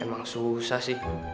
emang susah sih